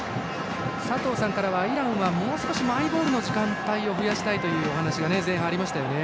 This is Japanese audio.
佐藤さんからはイランはマイボールの時間を増やしたいというお話が前半にありましたね。